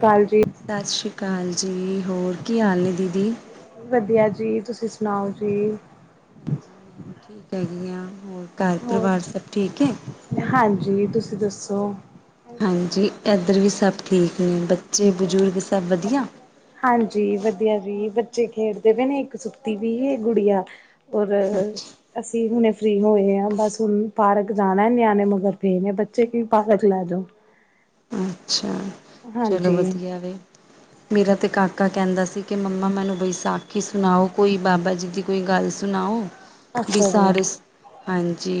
ਕਾਲ ਜੀ ਸਤਿ ਸ਼੍ਰੀ ਅਕਾਲ ਜੀ ਹੋਰ ਕੀ ਹਾਲ ਨੇ ਦੀਦੀ ਵਧੀਆ ਜੀ ਤੁਸੀਂ ਸੁਣਾਓ ਜੀ ਠੀਕ ਹੈਗੀਆਂ ਹੋਰ ਘਰ ਪਰਿਵਾਰ ਹੋਰ ਸਭ ਠੀਕ ਹੈ ਹਾਂਜੀ ਤੁਸੀਂ ਦੱਸੋ ਹਾਂਜੀ ਇੱਧਰ ਵੀ ਸਭ ਠੀਕ ਨੇ ਬ ਹਾਂਜੀ ਵਧੀਆ ਜੀ ਬੱਚੇ ਖੇਡਦੇ ਪਏ ਨੇ ਇੱਕ ਸੁੱਤੀ ਵੀ ਗੁੜੀਆ ਔਰ ਅੱਛਾ ਅਸੀਂ ਹੁਣੇ ਫ੍ਰਰੀ ਹੋਏ ਆ ਬਸ ਹੁਣ ਪਾਰਕ ਜਾਣਾ ਨਿਆਣੇ ਮਗਰ ਫੇ ਨੇ ਬੱਚੇ ਕਿ ਪਾਰਕ ਲੈ ਜਾਉ ਅੱਛਾ ਚਲੋ ਵਧੀਆ ਵ ਮੇਰਾ ਤੇ ਕਾਕਾ ਕਹਿੰਦਾ ਸੀ ਅਤੇ ਕਿ ਮੰਮਾ ਮੈਨੂੰ ਬਈ ਸਾਖੀ ਸੁਣਾਓ ਕੋਈ ਬਾਬਾ ਜੀ ਦੀ ਕੋਈ ਗੱਲ ਸੁਣਾਓ ਵੀ ਅੱਛਾ ਸਾਰੇ ਜੀ ਹਾਂਜੀ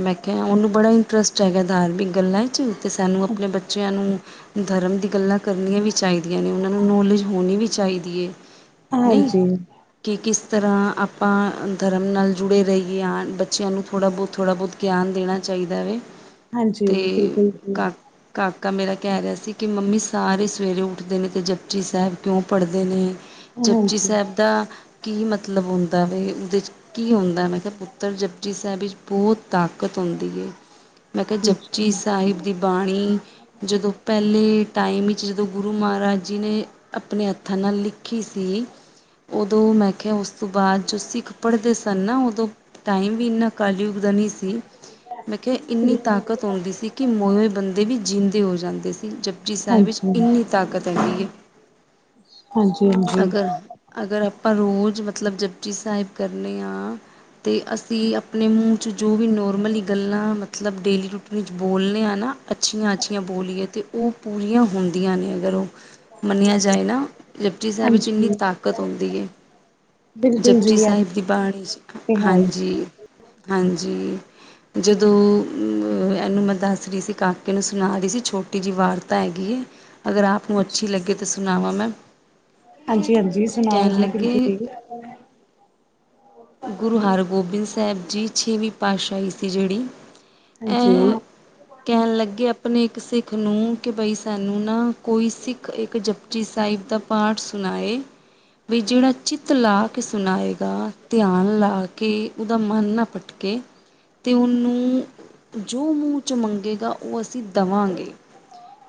ਮੈਂ ਕਿਹਾ ਉਹਨੂੰ ਬੜਾ ਟਰੱਸਟ ਹੈਗਾ ਧਾਰਮਿਕ ਗੱਲਾਂ ' ਅਤੇ ਸਾਨੂੰ ਆਪਣੇ ਬੱਚਿਆਂ ਨੂੰ ਧਰਮ ਦੀ ਗੱਲਾਂ ਕਰਨੀਆਂ ਵੀ ਚਾਹੀਦੀਆਂ ਨੇ ਉਹਨਾਂ ਨੂੰ ਨੌਲੇਜ ਹੋਣੀ ਵੀ ਚਾਹੀਦੀ ਹੈ ਨਹੀਂ ਹਾਂਜੀ ਕਿ ਕਿਸ ਤਰ੍ਹਾਂ ਆਪਾਂ ਧਰਮ ਨਾਲ ਜੁੜੇ ਰਹੀਏ ਹਾਂ ਬੱਚਿਆਂ ਨੂੰ ਥੋੜ੍ਹਾ ਬਹੁਤ ਥੋੜ੍ਹਾ ਬਹੁਤ ਗਿਆਨ ਦੇਣਾ ਚ ਚਾਹੀਦਾ ਵ ਹਾਂਜੀ ਹਾਂ ਬਿਲਕੁਲ ਜੀ ਕਾਕਾ ਮੇਰਾ ਕਹਿ ਰਿਹਾ ਸੀ ਕਿ ਮੰਮੀ ਸਾਰੇ ਸਵੇਰੇ ਉੱਠਦੇ ਨੇ ਅਤੇ ਜਪਚੀ ਸਾਹਿਬ ਕਿਉਂ ਪੜ੍ਹਦੇ ਨੇ ਚਪਚੀ ਹਾਂਜੀ ਸਾਹਿਬ ਦਾ ਕੀ ਮਤਲਬ ਹੁੰਦਾ ਬ ਉਹਦੇ ਕੀ ਹੁੰਦਾ ਮੈਂ ਕਿਹਾ ਪੁੱਤਰ ਜਪਜੀ ਸਾਹਿਬ ਵਿੱਚ ਬਹੁਤ ਤਾਕਤ ਆਉਂਦੀ ਮੈਂ ਕਿਹਾ ਜਪਚੀ ਹਾਂਜੀ ਸਾਹਿਬ ਦੀ ਬਾਣੀ ਜਦੋਂ ਪਹਿਲੇ ਟਾਈਮ ਵਿੱਚ ਜਦੋਂ ਗੁਰੂ ਮਹਾਰਾਜ ਜਿਹਨੇ ਆਪਣੇ ਹੱਥਾਂ ਨਾਲ ਲਿਖੀ ਸੀ ਉਦੋਂ ਮੈਂ ਕਿਹਾਿਆ ਉਸ ਤੋਂ ਬਾਅਦ ਜੋ ਸਿੱਖ ਪੜ੍ਹਦੇ ਸਨ ਨਾ ਉਦੋਂ ਟਾਈਮ ਵੀ ਇੰਨਾ ਕਾਲੀ ਉਗਦਾ ਨੀ ਸੀ, ਮੈਂ ਕਿਹਾ ਇੰਨੀ ਤਾਕਤ ਆਉਂਦੀ ਸੀ ਕਿ ਮੋਏ ਹੋਏ ਬੰਦੇ ਵੀ ਜੀਂਦੇ ਹੋ ਜਾਂਦੇ ਸੀ । ਜਪਜੀ ਸਾਹਿਬ ਹਾਂਜੀ ਵਿੱਚ ਇੰਨੀ ਤਾਕਤ ਹੁੰਦੀ ਏ । ਹਾਂਜੀ ਹਾਂਜੀ ਅਗਰ, ਅਗਰ ਆਪਾਂ ਰੋਜ਼ ਮਤਲਬ ਜਪ੍ ਜੀ ਸਾਹਿਬ ਕਰਦੇ ਹਾਂ ਅਤੇ ਅਸੀਂ ਆਪਣੇ ਮੂੰਹ 'ਚ ਜੋ ਵੀ ਨੋਰਮਲੀ ਗੱਲਾਂ ਮਤਲਬ ਡੇਲੀ ਰੂਟੀਨ ਵਿੱਚ ਬੋਲਦੇ ਹਾਂ ਨਾ ਅੱਛੀਆਂ ਅੱਛੀਆਂ ਬੋਲੀਏ, ਤੇ ਉਹ ਪੂਰੀਆਂ ਹੁੰਦੀਆਂ ਨੇ, ਅਗਰ ਉਹ ਮੰਨਿਆ ਜਾਏ ਨਾ, ਜਪਜੀ ਸਾਹਿਬ ਵਿੱਚ ਇੰਨੀ ਹਾਂਜੀ ਤਾਕਤ ਹੁੰਦੀ ਏ। ਬਿਲਕੁਲ ਜੀ ਜਪਜੀ ਇਹ ਸਾਹਿਬ ਦੀ ਬਾਣੀ ਚ, ਤੇ ਹੈ ਹੀ ਹਾਂਜੀ। ਹਾਂਜੀ, ਜਦੋਂ ਇਹਨੂੰ ਮੈਂ ਦੱਸ ਰਹੀ ਸੀ ਕਾ ਕੇ ਨੂੰ ਸੁਣਾ ਰਹੀ ਸੀ। ਛੋਟੀ ਜਿਹੀ ਵਾਰਤਾ ਹੈਗੀ ਏ। ਅਗਰ ਆਪ ਨੂੰ ਅੱਛੀ ਲੱਗੇ ਤੇ ਸੁਣਾਵਾਂ ਮੈਂ। ਹਾਂਜੀ-ਹਾਂਜੀ, ਸੁਣਾਓ ਕਹਿਣ ਜੀ, ਬਿਲਕੁਲ ਲੱਗੇ ਜੀ । ਗੁਰੂ ਹਰਗੋਬਿੰਦ ਸਾਹਿਬ ਜੀ, ਛੇਵੀਂ ਪਾਤਸ਼ਾਹੀ ਸੀ ਜਿਹੜੀ ਹਾਂਜੀ ਇਹ ਕਹਿਣ ਲੱਗੇ ਆਪਣੇ ਇੱਕ ਸਿੱਖ ਨੂੰ ਕਿ ਬਈ ਸਾਨੂੰ ਨਾ ਕੋਈ ਸਿੱਖ ਇੱਕ ਜਪਜੀ ਸਾਹਿਬ ਦਾ ਪਾਠ ਸੁਣਾਏ, ਵੀ ਜਿਹੜਾ ਚਿੱਤ ਲਾ ਕੇ ਸੁਣਾਏਗਾ, ਧਿਆਨ ਲਾ ਕੇ ਉਹਦਾ ਮਨ ਨਾ ਭਟਕੇ। ਤੇ ਉਹਨੂੰ ਜੋ ਮੂੰਹ ਚ ਮੰਗ ਗੇਗਾ, ਉਹ ਅਸੀਂ ਦਵਾਂਗੇ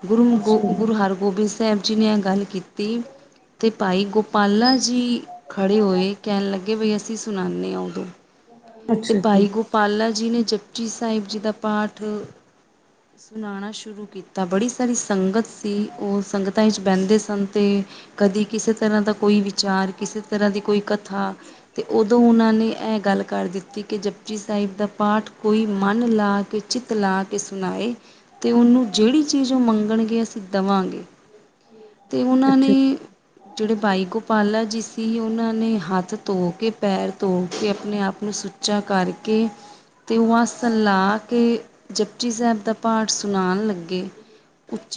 ।ਗੁਰੂ ਗੋ, ਅੱਛਾ ਗੁਰੂ ਹਰਗੋਬਿੰਦ ਸਾਹਿਬ ਜੀ ਨੇ ਇਹ ਗੱਲ ਕੀਤੀ। ਤੇ ਭਾਈ ਗੋਪਾਲਾ ਜੀ ਖੜੇ ਹੋਏ, ਕਹਿਣ ਲੱਗੇ ਬਈ ਅਸ ਸੀਂ ਸੁਣਾਉਦੇ ਹਾਂ ਉਦੋਂ । ਤੇ ਅੱਛਾ ਜੀ ਭਾਈ ਗੋਪਾਲਾ ਜੀ ਨੇ ਜਪਜੀ ਸਾਹਿਬ ਜੀ ਦਾ ਪਾਠ ਸੁਨਾਣਾ ਸ਼ੁਰੂ ਕੀਤਾ । ਬੜੀ- ਸਾਰੀ ਸੰਗਤ ਸੀ, ਉਹ ਸੰਗਤਾਂ ਵਿੱਚ ਬਹਿੰਦੇ ਸਨ ਤੇ ਕਦੀ ਕਿਸੇ ਤਰ੍ਹਾਂ ਦਾ ਕੋਈ ਵਿਚਾਰ ਕਿਸੇ ਤਰ੍ਹਾਂ ਦੀ ਕੋਈ ਕਥਾ ਤੇ ਉਦੋਂ ਉਹਨਾਂ ਨੇ ਇਹ ਗੱਲ ਕਰ ਦਿੱਤੀ। ਕਿ ਜਪਜੀ ਸਾਹਿਬ ਦਾ ਪਾਠ ਕੋਈ ਮਨ ਲਾ ਕੇ, ਚਿੱਤ ਲਾ ਕੇ ਸੁਨਾਏ ਤੇ ਉਨੂੰ ਜੇੜੀ ਚੀਜ਼ ਓ ਮੰਗਣਗੇ ਅਸੀਂ ਦਵਾਂਗੇ ਤੇ ਉਨਾਂ ਨੇ ਅੱਛਾ ਜੀ ਜੇੜੇ ਬਾਈ ਗੋਪਾਲਾ ਜੀ ਸੀ, ਔਨਾਂ ਨੇ ਹੱਥ ਧੋ ਕੇ, ਪੈਰ ਤੋ ਕੇ ਅਪਨੇ ਆਪ ਨੂੰ ਸੁ ਸੁੱਚਾ ਕਰਕੇ ਤੇ ਉ ਆਸਨ ਲਾ ਕੇ ਜਪਜੀ ਸੇਬ ਦਾ ਪਾਠ ਸੁਨਾਣ ਲੱਗੇ।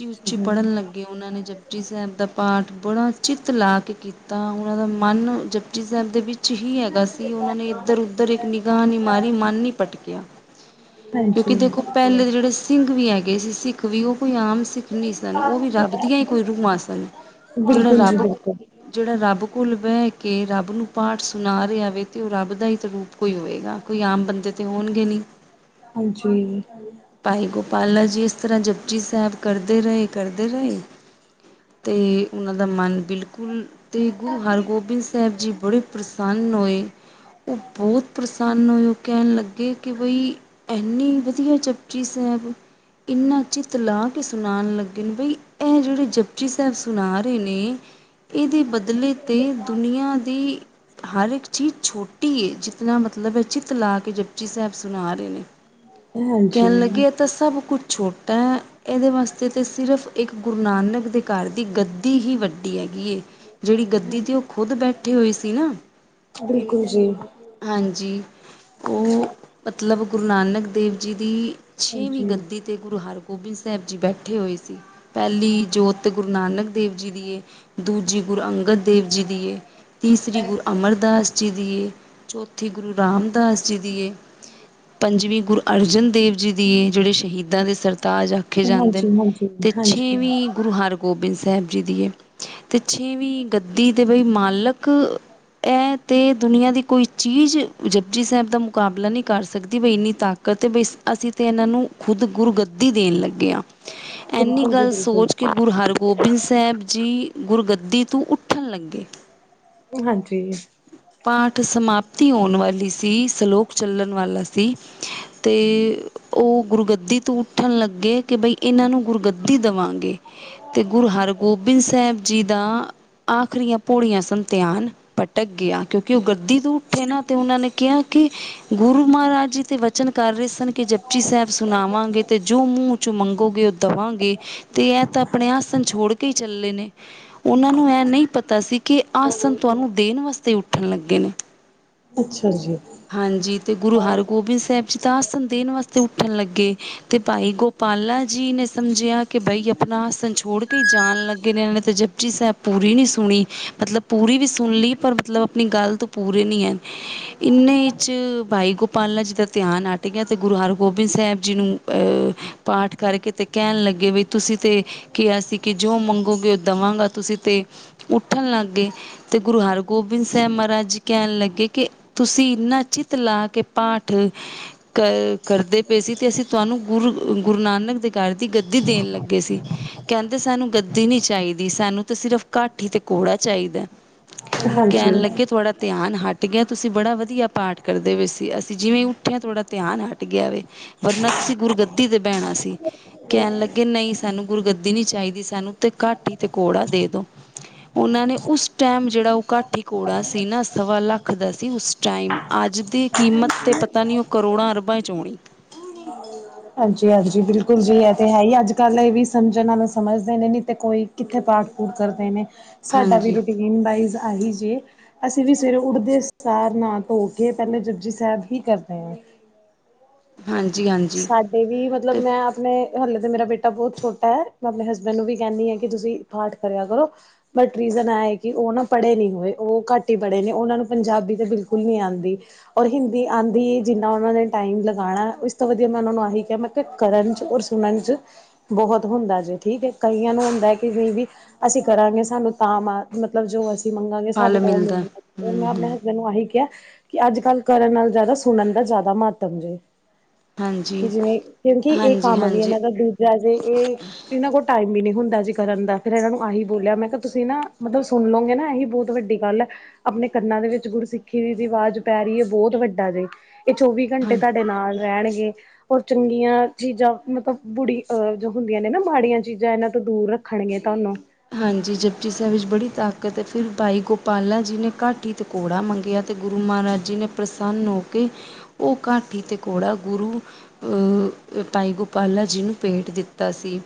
ਅੱਛਾ ਜੀ ਪੜ੍ਹਨ ਲੱਗੇ, ਉਨਾਂ ਨੇ ਜਪਜੀ ਸੇਬ ਦਾ ਪਾਠ ਬੜਾ ਚਿੱਤ ਲਾ ਕੇ ਕੀਤਾ। ਉਹਨਾਂ ਦਾ ਮਾਨ ਜਪਜੀ ਸੇਬ ਦੇ ਵਿੱਚ ਹੀ ਹੈਗਾ ਸੀ। ਉਹਨਾਂ ਨੇ ਇੱਦਰ-ਉੱਦਰ ਇੱਕ ਨਿਗਾ ਨੀ ਮਾਰੀ, ਮੰਨ ਨੀ ਪਟਕਿਆ। ਕਿਉਂਕਿ ਹਾਂਜੀ ਦੇਖੋ ਪਹਿਲੇ ਦੇ ਜਿਹੜੇ ਸਿੰਘ ਵੀ ਹੈਗੇ ਸੀ, ਸਿੱਖ ਵੀ ਉ ਕੋਈ ਆਮ ਸਿੱਖ ਨੀ ਸਨ, ਔ ਵੀ ਰੱਬ ਦੀਆਂ ਹੀ ਕੋਈ ਰੂਆ ਸਨ। ਜੇੜਾ ਬਿਲਕੁਲ ਜੀ ਰੱਬ, ਬਿਲਕੁਲ ਜੇੜਾ ਰੱਬ ਕੋਲ ਬੇ ਕੇ ਰੱਬ ਨੂੰ ਪਾਠ ਸੁਨਾ ਰਿਆ ਵੇ ਤੇ ਔ ਰੱਬ ਦਾ ਇ ਤ ਰੂਪ ਕੋਈ ਹੋਏਗਾ, ਕੋਈ ਆਮ ਬੰਦੇ ਤੇ ਹੋਣਗੇ ਨੀ। ਹਾਂਜੀ ਭਾਈ ਗੋਪਾ ਅੱਲਾ ਜੀ ਇਸ ਤਰ੍ਹਾਂ ਜਪਜੀ ਸੇਬ ਕਰਦੇ ਰਏ, ਕਰਦੇ ਰਏ। ਤੇ ਉਨਾਂ ਦਾ ਮਨ ਬਿਲਕੁਲ, ਤੇ ਗੁਰੂ ਹਰਗੋਬਿੰਦ ਸੇਬ ਜੀ ਬੜੇ ਪ੍ਰਸੰਨ ਹੋਏ। ਉਹ ਬਹੁਤ ਪ੍ਰਸੰਨ ਹੋਏ, ਕਹਿਣ ਲੱਗੇ ਕਿ ਬਈ ਐਨੀ ਵਦੀਆ ਜਪਜੀ ਸੇਬ। ਇੰਨਾ ਚਿਤ ਲਾ ਕੇ ਸੁਨਾਨ ਲੱਗੇ ਬਈ ਐ ਜੇੜੇ ਜਪਜੀ ਸੇਬ ਸੁਨਾ ਰੇ ਨੇ ਇਦੇ ਬਦਲੇ ਤੇ ਦੁਨੀਆਂ ਦੀ ਹਰ ਇੱਕ ਚੀਜ਼ ਛੋਟੀ ਏ। ਜ ਇਨਾ ਮਤਲਬ ਏ ਚਿੱਤ ਲਾ ਕੇ ਜਪਚੀ ਸੇਬ ਸੁਨਾ ਰੇ ਨੇ। ਕੇਣ ਹਾਂਜੀ ਲੱਗੇ ਏ ਤਾਂ ਸਭ ਕੁੱਛ ਛੋਟਾ ਏ, ਏਦੇ ਵਾਸਤੇ ਤੇ ਸਿਰਫ਼ ਏਕ ਗੁਰ ਨਾਨਕ ਦੇ ਘਰ ਦੀ ਗੱਦੀ ਹੀ ਵੱਡੀ ਹੈਗੀ ਏ, ਜਿਹੜੀ ਗੱਦੀ ਤੇ ਉਹ ਖੁਦ ਬੈਠੇ ਹੋਏ ਸੀ ਨਾ ਬਿਲਕੁਲ ਜੀ। ਹਾਂਜੀ। ਉਹ ਮਤਲਬ ਗੁਰੂ ਨਾਨਕ ਦੇਵ ਜੀ ਦੀ ਛੇਵੀਂ ਹਾਂਜੀ ਗੱਦੀ ਤੇ ਗੁਰੂ ਹਰਗੋਬਿੰਦ ਸੇਬ ਜੀ ਬੈਠੇ ਹੋਏ ਸੀ, ਪੈਲੀ ਜੋਤ ਗੁਰੂ ਨਾਨਕ ਦੇਵ ਜੀ ਦੀ ਏ ਦੂਜੀ ਗੁਰੂ ਅੰਗਦ ਦੇਵ ਜੀ ਦੀਏ, ਤੀਸਰੀ ਗੁਰੂ ਅਮਰਦਾਸ ਜੀ ਦੀਏ। ਚੌਥੀ ਗੁਰੂ ਰਾਮਦਾਸ ਜੀ ਦੀਏ ਪੰਜਵੀਂ ਗੁਰ ਅਰਜਨ ਦੇਵ ਜੀ ਦੀਏ। ਜੇੜੇ ਸ਼ਹੀਦ ਦਾਂ ਦੇ ਸਰਤਾਜ ਆਖੇ ਜਾਂਦੇ ਨ, ਹਾਂਜੀ ਹਾਂਜੀ ਤੇ ਹਾਂਜੀ ਛੇਵੀਂ ਗੁਰੂ ਹਰਗੋਬਿੰਦ ਸੇਬ ਜੀ ਦੀਏ ਤੇ ਛੇਵੀਂ ਗੱਦੀ ਦੇ ਬਈ ਮਾਲਕ ਐ ਤੇ ਦੁਨੀਆਂ ਦੀ ਕੋਈ ਚੀਜ਼ ਜਪਜੀ ਸੇਬ ਦਾ ਮੁਕਾਬਲਾ ਨੀ ਕਰ ਸਕ ਦੀ ਬਈ ਇੰਨੀ ਤਾਕਤ ਏ ਬਈ ਅਸੀਂ ਤੇ ਇਹਨਾਂ ਨੂੰ ਖੁੱਦ ਗੁਰੂਗੱਦੀ ਦੇਨ ਲੱਗੇ ਆ ਐਨੀ ਬਿਲਕੁਲ ਜੀ ਗੱਲ ਬਿਲਕੁਲ ਸੋਚ ਕੇ ਗੁਰ ਹਰਗੋਬਿੰਦ ਸੇਬ ਜੀ ਗੁਰਗੱਦੀ ਤੋਂ ਉੱਠਣ ਲੱਗੇ। [inaudible] ਹਾਂਜੀ। ਪਾਠ ਸਮਾਪਤੀ ਹੋਨ ਵਾਲੀ ਸੀ, ਸਲੋਕ ਚੱਲਨ ਵਾਲਾ ਸੀ ਤੇ ਔ ਗੁਰਗੱਦੀ ਤੋਂ ਉੱਠਣ ਲੱਗੇ ਕੇ ਬਈ ਇਨਾਂ ਨੂੰ ਗੁਰਗੱਦੀ ਦਵਾਂਗੇ, ਤੇ ਗੁਰ ਹਰਗੋਬਿੰਦ ਸੇਬ ਜੀ ਦਾ ਆਖਰੀਆਂ ਪੋੜੀਆਂ ਸੰਨ ਤਿਆਨ ਭਟਕ ਗਿਆ, ਕਿਉਂਕਿ ਔ ਗੱਦੀ ਤੋਂ ਠੇਨਾ ਤੇ ਉਨ੍ਹਾਂ ਨੇ ਕਿਆ ਕਿ ਗੁਰੂ ਮਹਾਰਾਜ ਜੀ ਤੇ ਵਚਨ ਕਰ ਰੇ ਸਨ ਕਿ ਜਪਚੀ ਸੇਬ ਸੁਨਾ ਵਾਂਗੇ ਤੇ ਜੋ ਮੂੰਹ 'ਚੋਂ ਮੰਗੋਗੇ ਔ ਦਵਾਂਗੇ, ਤੇ ਐ ਤਾਂ ਆਪਣੇ ਆਸਣ ਛੋੜ ਤੇ ਚੱਲੇ ਨੇ। ਔਨਾਂ ਨੂੰ ਇਹ ਨਈ ਪਤਾ ਸੀ ਕਿ ਆਸਨ ਤੁਆਨੂੰ ਦੇਨ ਵਾਸਤੇ ਉੱਠਣ ਲੱਗੇ [inaudible] ਅੱਛਾ ਜੀ। ਹਾਂਜੀ ਤੇ ਗੁਰੂ ਹਰਗੋਬਿੰਦ ਸੇਬ ਜੀ ਤਾਂ ਆਸਨ ਦੇਨ ਵਾਸਤੇ ਉੱਠਨ ਲੱਗੇ ਤੇ ਭਾਈ ਗੋਪਾਲਾ ਜੀ ਨੇ ਸਮਝਿਆ ਕੇ ਬਾਈ ਅਪਨਾ ਆਸਨ ਛੋੜ ਕੇਈ ਜਾਣ ਲੱਗੇ ਨੇ ਐਵੇ ਤੇ ਜਪਚੀ ਸੇਬ ਪੂਰੀ ਨੀ ਸੁਣੀ ਮਤਲਬ ਪੂਰੀ ਵੀ ਸੁਣ ਲੀ ਪਰ ਮਤਲਬ ਆਪਣੀ ਗੱਲ ਤੋਂ ਪੂਰੀ ਨੀਂ ਐ ਇੰਨੇ ਈ 'ਚ ਬਾਈ ਗੋਪਾਲਾ ਜੀ ਦਾ ਧਿਆਨ ਆਟ ਗਿਆ ਤੇ ਗੁਰੂ ਹਰਗੋਬਿੰਦ ਸਾਹਿਬ ਜੀ ਨੂੰ ਅਹ ਪਾਠ ਕਰਕੇ ਤੇ ਕਹਿਣ ਲੱਗੇ ਵੀ ਤੁਸੀਂ ਤੇ ਕਿਹਾ ਸੀ ਕਿ ਜੋ ਮੰਗੋਗੇ ਉਹ ਦੇਵਾਂਗਾ ਤੁਸੀਂ ਤੇ ਉੱਠਣ ਲੱਗਗੇ ਤੇ ਗੁਰੂ ਹਰਗੋਬਿੰਦ ਸਾਹਿਬ ਮਹਾਰਾਜ ਜੀ ਕਹਿਣ ਲੱਗੇ ਕਿ ਤੁਸੀਂ ਇੰਨਾ ਚਿੱਤ ਲਾ ਕੇ ਪਾਠ ਕਰ ਕਰਦੇ ਪਏ ਸੀ ਤੇ ਅਸੀਂ ਤੁਹਾਨੂੰ ਗੁਰੂ ਅ ਗੁਰੂ ਨਾਨਕ ਦੇ ਘਰ ਦੀ ਗੱਦੀ ਦੇਣ ਲੱਗੇ ਸੀ ਕਹਿੰਦੇ ਸਾਨੂੰ ਗੱਦੀ ਨੀ ਚਾਈਦੀ ਸ ਸਾਨੂੰ ਤਾਂ ਸਿਰਫ਼ ਘਾਟੀ ਤੇ ਕੌੜਾ ਚਾਈਦਾ ਕਹਿਣ ਹਾਂਜੀ ਲੱਗੇ ਥੁਹੜਾ ਧਿਆਨ ਹਟ ਗਿਆ ਤੁਸੀਂ ਬੜਾ ਵਧੀਆ ਪਾਠ ਕਰਦੇ ਪਏ ਸੀ ਅਸੀਂ ਜਿਵੇਂ ਉੱਠਿਆ ਥੁਹੜਾ ਧਿਆਨ ਹਟ ਗਿਆ ਵੇ ਵਰਨਾ ਤੁਸੀਂ ਗੁਰਗੱਦੀ ਤੇ ਬਹਿਣਾ ਸੀ ਕਹਿਣ ਲੱਗੇ ਨਈ ਸਾਨੂੰ ਗੁਰਗੱਦੀ ਦੀਣੀ ਚਾਈਦੀ ਸਾਨੂੰ ਤੇ ਘਾਟੀ ਤੇ ਕੌੜਾ ਦੇ ਦੋ। ਉਹਨਾਂ ਨੇ ਉਸ ਟਾਈਮ ਜਿਹੜਾ ਉਹ ਕਾਠੀ ਕੋੜਾ ਸੀ ਨਾ ਸਵਾ ਲੱਖ ਰੱਖਦਾ ਸੀ ਉਸ ਟਾਈਮ ਅੱਜ ਦੀ ਕੀਮਤ 'ਤੇ ਪਤਾ ਨੀ ਉਹ ਕਰੋੜਾਂ ਅਰਬਾਂ ਚ ਔਣੀ। [inaudible] ਹਾਂਜੀ-ਹਾਂਜੀ ਬਿਲਕੁਲ ਜੀ ਇਹ ਤੇ ਹੈ ਹੀ ਅੱਜ ਕੱਲ ਇਹ ਵੀ ਸਮਝਣ ਆਲੇ ਸਮਝਦੇ ਨੇ ਨੀ ਤੇ ਕੋਈ ਕਿੱਥੇ ਪਾਠ ਪੁਠ ਕਰਦੇ ਨੇ ਸਾਡਾ ਵੀ ਹਾਂਜੀ ਰੂਟੀਨ ਵਾਈ ਆਹੀ ਜੀ ਅਸੀਂ ਵੀ ਸਵੇਰੇ ਉੱਡਦੇ ਸਾਰ ਨਾ ਧੋ ਕੇ ਪਹਿਲਾਂ ਜਪਜੀ ਸਾਹਿਬ ਹੀ ਕਰਦੇ ਆ। ਹਾਂਜੀ ਹਾਂਜੀ ਸਾਡੇ ਵੀ ਮਤਲਬ ਤੇ ਮੈਂ ਆਪਣੇ ਹਲੇ ਤਾਂ ਮੇਰਾ ਬੇਟਾ ਬਹੁਤ ਛੋਟਾ ਐ ਮੈਂ ਆਪਣੇ ਹਸਬੈਂਡ ਨੂੰ ਵੀ ਕਹਿੰਨੀ ਹਾਂ ਕਿ ਤੁਸੀਂ ਪਾਠ ਕਰਿਆ ਕਰੋ ਬਟ ਏ ਕਿ ਉਹ ਨਾ ਪੜ੍ਹੇ ਨੀ ਹੋਏ ਉਹ ਘੱਟ ਈ ਪੜ੍ਹੇ ਨੇ ਉਹਨਾਂ ਨੂੰ ਪੰਜਾਬੀ ਤੇ ਬਿਲਕੁਲ ਨੀ ਆਂਦੀ ਔਰ ਹਿੰਦੀ ਆਦੀ ਏ ਜਿੰਨਾ ਉਹਨਾਂ ਨੇ ਟਾਈਮ ਲਗਾਇਆ ਉ ਵਧੀਆ ਮੈਂ ਉਹ ਨੂੰ ਆਹੀ ਕਿਹਾ ਮੈਂ ਕਰਨ ਚ ਔਰ ਸੁਣਨ ਚ ਬਹੁਤ ਹੁੰਦਾ ਜੇ ਠੀਕ ਏ ਕਈਆਂ ਨੂੰ ਬੈਂਹਕੇ ਕਈ ਵੀ ਅਸੀਂ ਕਰਾਂਗੇ ਸਾਨੂੰ ਤਾਂ ਮ ਮਤਲਬ ਜੋ ਅਸੀਂ ਮੰਗਾਂਗੇ ਫਲ ਸਾਨੂੰ ਉਹ ਮਿਲਦਾ ਮਿਲਣਾ ਏ ਓ ਹੂੰ ਮੈਂ ਆਪਣੇ ਹੂੰ ਹਸਬੈਂਡ ਨੂੰ ਆਹੀ ਕਿਹਾ ਕਿ ਅੱਜ ਕੱਲ੍ਹ ਕਰਨ ਨਾਲ ਜ਼ਿਆਦਾ ਸੁਣਨ ਦਾ ਜ਼ਿਆਦਾ ਮਹੱਤਮ ਜੇ। ਹਾਂਜੀ ਕਿ ਜਿਵੇਂ ਕਿਉਂਕਿ ਇਹ ਹਾਂਜੀ ਕੰਮ ਵੀ ਹਾਂਜੀ ਇਹਨਾਂ ਦਾ ਦੂਜਾ ਜੇ ਇਹ ਇਹਨਾਂ ਕੋਲ ਟਾਈਮ ਵੀ ਨੀ ਹੁੰ ਦਾ ਜੀ ਕਰਨ ਦਾ ਫਿਰ ਇਹਨਾਂ ਨੂੰ ਆਹੀ ਬੋਲਿਆ ਮੈਂ ਕਿ ਤੁਸੀਂ ਨਾ ਮਤਲਬ ਸੁਣ ਲਓਗੇ ਨਾ ਇਹੀ ਬਹੁਤ ਵੱਡੀ ਗੱਲ ਐ ਆਪਣੇ ਕੰਨਾਂ ਦੇ ਵਿੱਚ ਗੁਰਸਿੱਖੀ ਦੀ ਦੀ ਆਵਾਜ਼ ਪੈ ਰੀ ਐ ਬਹੁਤ ਵੱਡਾ ਜੇ ਇਹ ਚੌਵੀ ਹਾਂ ਘੰਟੇ ਤਾਂਡੇ ਨਾਲ ਰਹਿਣਗੇ ਔਰ ਚੰਗੀਆਂ ਚੀਜ਼ਾਂ ਮਤਲਬ ਬੁੜੀ ਅਹ ਜੋ ਹੁੰਦੀਆਂ ਨੇ ਨਾ ਮਾੜੀਆਂ ਚੀਜ਼ਾਂ ਇਹਨਾਂ ਤੋਂ ਦੂਰ ਰੱਖਣਗੇ ਤੁਹਾਨੂੰ। ਹਾਂਜੀ ਜਪੁਜੀ ਸਾਹਿਬ ਵਿੱਚ ਬੜੀ ਤਾਕਤ ਐ ਫਿਰ ਬਾਈ ਗੋਪਾਲਾ ਜੀ ਨੇ ਘੱਟ ਹੀ ਤਕੌੜਾ ਮੰਗਿਆ ਤੇ ਗੁਰੂ ਮਹਾਰਾਜ ਜੀ ਨੇ ਪ੍ਰਸੰਨ ਹੋ ਕੇ ਉਹ ਘਾਟੀ ਤੇ ਘੋੜਾ ਗੁਰੂ ਅਹ ਭਾਈ ਗੋਪਾਲਾ ਜੀ ਨੂੰ ਭੇਟ ਦਿੱਤਾ ਸੀ।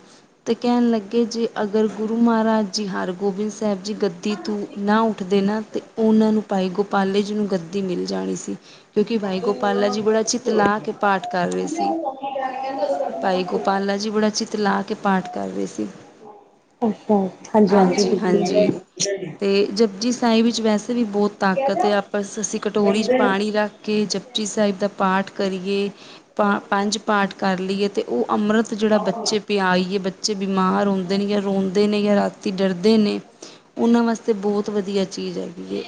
ਤੇ ਕਹਿਣ ਲੱਗੇ ਜੇ ਅਗਰ ਗੁਰੂ ਮਹਾਰਾਜ ਜੀ ਹਰਗੋਬਿੰਦ ਸਾਹਿਬ ਜੀ ਗੱਦੀ ਤੋਂ ਨਾ ਉੱਠਦੇ ਨਾ ਤੇ ਉਹਨਾਂ ਨੂੰ ਪਾਈ ਗੁਪ ਪਾਲੇਜੀ ਨੂੰ ਗੱਦੀ ਮਿਲ ਜਾਣੀ ਸੀ। ਕਿਉਂਕਿ ਭਾਈ ਗੋਪਾਲਾ ਜੀ ਬੜਾ ਚਿਤਲਾ ਕੇ ਪਾਠ ਕਰ ਰੇ ਸੀ, ਭਾਈ ਗੋਪਾਲਾ ਜੀ ਬੜਾ ਚਿਤ ਲਾ ਕੇ ਪਾਠ ਕਰ ਰੇ ਸੀ। [unintelligible] ਹਾਂਜੀ ਹਾਂਜੀ ਬਿਲਕੁਲ ਹਾਂਜੀ-ਹਾਂਜੀ ਜੀ ਤੇ ਜਪੁਜੀ ਸਾਈ ਵਿੱਚ ਵੈਸੇ ਵੀ ਬਹੁਤ ਤਾਕਤ ਆ ਬਸ ਅਸੀਂ ਕਟੋਰੀ 'ਚ ਪਾਣੀ ਰੱਖ ਕੇ ਜਪਜੀ ਸਾਹਿਬ ਦਾ ਪਾਠ ਕਰੀਏ ਪਾ ਪੰਜ ਪਾਠ ਕਰ ਲਈਏ ਤੇ ਉਹ ਅੰਮ੍ਰਿਤ ਜਿਹੜਾ ਬੱਚੇ ਪਿਆਈਏ ਬੱਚੇ ਬਿਮਾਰ ਰੁੰਦੇ ਨੀ ਗੇ ਰੋਂਦੇ ਨਈਏਂ ਰਾਤੀ ਡਰਦੇ ਨੇ। ਉਹਨਾਂ ਵਾਸਤੇ ਬਹੁਤ ਵਧੀਆ ਚੀਜ਼ ਹੈਗੀ ਏ।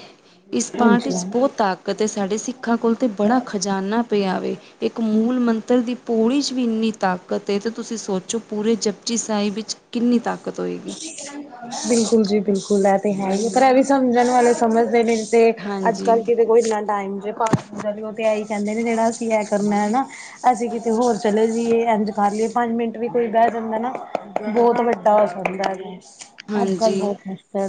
ਇਸ ਪਾਂਟ ਇਚ ਹਾਂਜੀ ਬਹੁਤ ਤਾਕਤ ਐ ਸਾਡੇ ਸਿੱਖਾਂ ਕੋਲ ਤੇ ਬੜਾ ਖਜਾਨਾ ਪਿਆ ਵੇ ਤੇ ਇੱਕ ਮੂਲ ਮੰਤਰ ਦੀ ਪੌੜੀ ਚ ਵੀ ਇੰਨੀ ਤਾਕਤ ਏ ਤੇ ਤੁਸੀਂ ਸੋਚੋ ਪੂਰੇ ਜਪਜੀ ਸਾਈਬ ਵਿੱਚ ਕਿੰਨੀ ਤਕ ਬਿਲਕੁਲ ਜੀ ਬਿਲਕੁਲ ਇਹ ਤੇ ਹੈ ਈਏ ਪਰ ਇਹ ਵੀ ਸਮਝਣ ਵਾਲੇ ਸਮਝਦੇ ਨੇ। ਤੇ ਅੱਜ ਹਾਂਜੀ, ਕੱਲ ਕਿਦੇ ਕੋਲ ਇੰਨਾ ਟਾਈਮ ਜੇ ਪਾ ਜਦ ਉਹ ਤੇ ਆਹੀ ਕਹਿੰਦੇ ਨੇ ਜਿਹੜਾ ਅਸੀਂ ਇਹ ਕਰਨਾ ਐ ਨੇ ਅਸੀਂ ਕਿਤੇ ਹੋਰ ਚਲੇ ਜੀਏ ਇੰਝ ਕਰ ਲਈਏ ਪ ਮਿੰਟ ਵੀ ਕੋਈ ਬਹਿ ਜਾਂਦਾ ਐ। ਨਾ ਬਹੁਤ ਵੱਡਾ ਹੋ ਜਾਂਦਾ ਐ ਅੱਜ ਕੱਲ੍ਹ ਹਾਂਜੀ, ਬਹੁਤ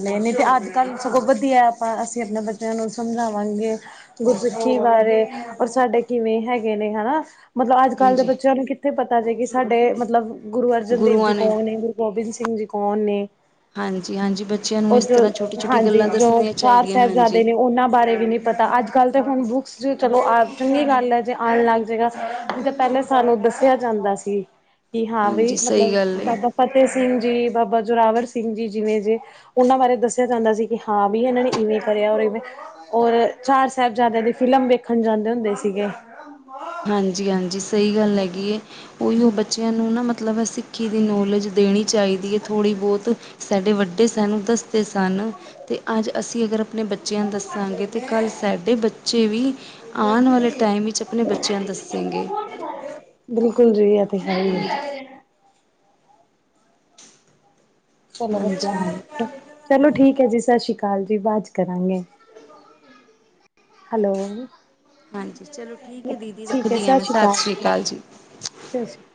ਨੇ [unintelligible] ਕੱਲ੍ਹ ਸਗੋਂ ਵਧੀਆ ਆਪਾਂ ਅਸੀਂ ਆਪਣੇ ਬੱਚਿਆਂ ਨੂੰ ਸਮਝਾਵਾਂਗੇ। ਗੁਰ ਕੀ ਹੈ ਵੇ। ਔਰ ਸਾਡੇ ਕਿਵੇਂ ਹੈਗੇ ਨੇ ਹਨਾ ਮਤਲਬ ਅੱਜ ਕੱਲ ਦੇ ਹਾਂਜੀ ਬੱਚਿਆਂ ਨੂੰ ਇੱਥੇ ਪਤਾ ਜੇ ਕਿ ਸਾਡੇ ਮਤਲਬ ਗੁਰੂ ਅਰਜਨ ਦੇਵ ਜੀ ਕੌਣ ਨੇ? ਗੁਰੂ ਗੋਬਿੰਦ ਸਿੰਘ ਜੀ ਕੌਣ ਨੇ? ਹਾਂਜੀ, ਹਾਂਜੀ ਬੱਚਿਆਂ ਨੂੰ ਉਹ ਇਸ ਜੋ, ਤਰ੍ਹਾਂ ਛੋਟੀ-ਛੋਟੀ ਹਾਂਜੀ। ਗੱਲਾਂ ਜੋ ਦੱਸਣੀਆਂ ਚਾਰ ਚਾਹੀਦੀਆਂ ਸਾਹਿਬਜ਼ਾਦੇ ਹਾਂਜੀ। ਨੇ ਉਹਨਾਂ ਬਾਰੇ ਵੀ ਨੀ ਪਤਾ ਅੱਜ ਕੱਲ ਤੇ ਹੁਣ ਬੁੱਕਸ ਜੋ ਚਲੋ ਆ ਚੰਗੀ ਗੱਲ ਐ ਜੇ ਆਉਣ ਲੱਗ ਜਾਏਗਾ। ਜ ਪਹਿਲਾਂ ਸਾਨੂੰ ਦੱਸਿਆ ਜਾਂਦਾ ਸ ਕਿ ਹਾਂ ਵੀ ਹਾਂਜੀ ਮਤਲਬ ਸਹੀ ਗੱਲ ਏ, ਬਾਬਾ ਫਤਿਹ ਸਿੰਘ ਜੀ, ਬਾਬਾ ਜੋੋਰਾਵਰ ਸਿੰਘ ਜੀ, ਜਿਵੇਂ ਜੇ ਉਹਨਾਂ ਬਾਰੇ ਦੱਸਿਆ ਜਾਂਦਾ ਸੀ। ਕਿ ਹਾਂ ਵੀ ਇਹਨਾਂ ਨੇ ਇਵੇਂ ਕਰਿਆ ਔਰ ਇਵੇਂ ਔਰ ਚਾਰ ਸਾਹਿਬਜ਼ਾਦਿਆਂ ਦੀ ਫ਼ਿਲਮ ਵੇਖਣ ਜਾਂਦੇ ਹੁੰਦੇ ਸੀਗੇ। ਹਾਂਜੀ-ਹਾਂਜੀ ਸਈ ਗੱਲ ਹੈਗੀ ਏ। ਉਹੀ ਉਹ ਬੱਚਿਆਂ ਨੂੰ ਨਾ ਮਤਲਬ ਅਸੀਂ ਖੀ ਦੀ ਨੌਲੇਜ ਦੇਣੀ ਚਾਈਦੀ ਏ। ਥੋੜ੍ਹੀ- ਬਹੁਤ ਸਾਡੇ ਵੱਡੇ ਸਾਨੂੰ ਦੱਸ ਸਨ ।ਤੇ ਅੱਜ ਅਸੀਂ ਅਗਰ ਆਪਣੇ ਬੱਚਿਆਂ ਦੱਸਾਂਗੇ ਤਾਂ ਕੱਲ੍ਹ ਸਡ ਤੇ ਬੱਚੇ ਵੀ ਆਣ ਵਾਲੇ ਟਾਈਮ ਵਿੱਚ ਆਪਣੇ ਬੱਚੇ ਬਿਲਕੁਲ ਜੀ ਐ ਤੇ ਹੈ ਹੀ ਹਾਂਜੀ, ਏ। ਚਲੋ ਵਧੀਆ ਹਾਂਜੀ। ਹਾਲ ਏ। ਚਲੋ ਠੀਕ ਐ ਜੀ। ਸਤਿ ਸ਼੍ਰੀ ਅਕਾ ਹਾਂਜੀ ਜੀ ।ਬਾਦ ਚ ਕਰਾਂਗੇ। ਹੈਲੋ, ਹਾਂਜੀ ਚਲੋ ਠੀਕ ਹੈ ਦੀਦੀ ਠੀਕ ਏ, ਰੱਖਦੀ ਹਾਂ ਸਤਿ ਮੈਂ ਸ੍ਰੀ ਅਕਾਲ ਸ਼੍ਰੀ ਜੀ। ਸਤਿ ਸ੍ਰੀ ਅਕਾਲ।